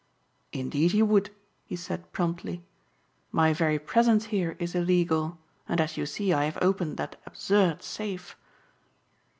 "Indeed you would," he said promptly. "My very presence here is illegal and as you see I have opened that absurd safe."